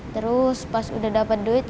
terus pas udah dapet duit